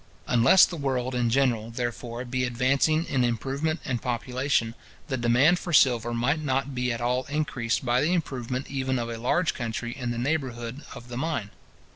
Unless the world in general, therefore, be advancing in improvement and population, the demand for silver might not be at all increased by the improvement even of a large country in the neighbourhood of the mine.